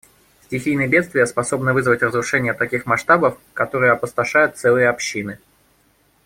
Стихийные бедствия способны вызывать разрушения таких масштабов, которые опустошают целые общины.